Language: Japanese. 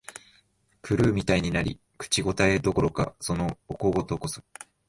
狂うみたいになり、口応えどころか、そのお小言こそ、